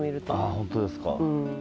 あ本当ですか。